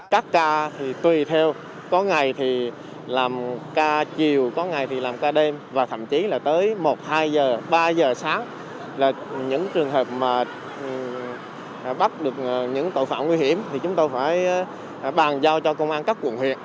các ca thì tùy theo có ngày thì làm ca chiều có ngày thì làm ca đêm và thậm chí là tới một hai giờ ba giờ sáng là những trường hợp mà bắt được những tội phạm nguy hiểm thì chúng tôi phải bàn giao cho công an các quận huyện